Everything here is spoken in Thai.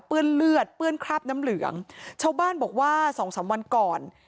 เลือดเปื้อนคราบน้ำเหลืองชาวบ้านบอกว่าสองสามวันก่อน